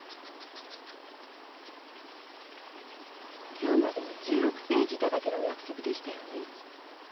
今日までに１６ページ頂けるお約束でしたよね？